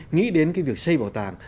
nghĩ đến cái việc xây bảo tàng